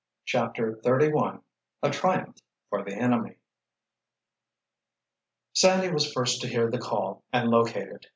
CHAPTER XXXI A TRIUMPH FOR THE ENEMY Sandy was first to hear the call and locate it.